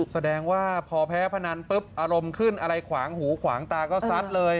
แสดงว่าพอแพ้พนันปุ๊บอารมณ์ขึ้นอะไรขวางหูขวางตาก็ซัดเลย